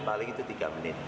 paling itu tiga menit